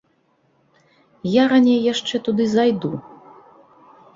Я раней яшчэ туды зайду.